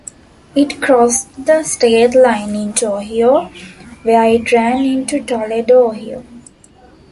It crossed the state line into Ohio, where it ran into Toledo, Ohio.